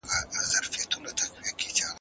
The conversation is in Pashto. کارګرانو ته د دوی د زیار حق ورکړئ.